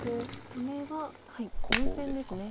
これは４線ですね。